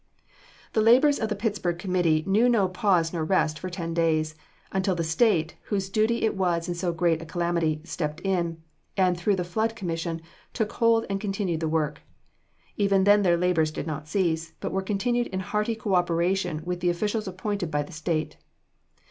The labors of the Pittsburg committee knew no pause nor rest for ten days, until the State, whose duty it was in so great a calamity, stepped in, and through the Flood Commission, took hold and continued the work. Even then their labors did not cease, but were continued in hearty co operation with the officials appointed by the State.